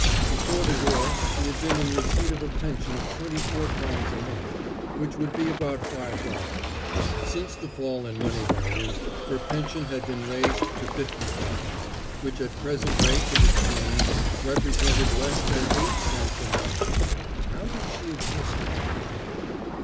Before the war she had been in receipt of a pension of twenty four crowns a month, which would be about five dollars. Since the fall in money values her pension had been raised to fifty crowns, which at present rates of exchange represented less than eight cents a month. How did she exist on it?